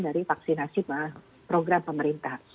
dari vaksinasi program pemerintah